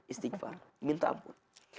istighfar minta ampun